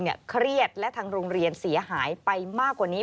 เครียดและทางโรงเรียนเสียหายไปมากกว่านี้